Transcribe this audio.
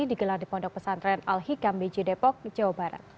di gelar depondok pesantren al hikam bg depok jawa barat